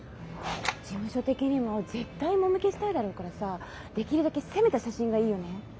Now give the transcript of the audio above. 事務所的にも絶対もみ消したいだろうからさできるだけ攻めた写真がいいよね？